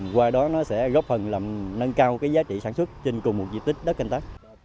qua đó nó sẽ góp phần làm nâng cao cái giá trị sản xuất trên cùng một diện tích đất canh tác